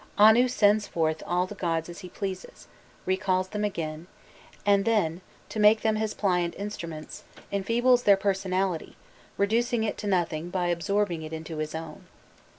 Anu sends forth all the gods as he pleases, recalls them again, and then, to make them his pliant instruments, enfeebles their personality, reducing it to nothing by absorbing it into his own.